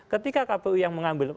ketika kpu yang mengambil